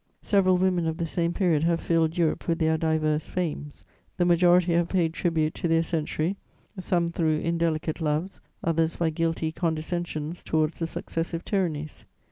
"Several women of the same period have filled Europe with their diverse fames. The majority have paid tribute to their century, some through indelicate loves, others by guilty condescensions towards the successive tyrannies.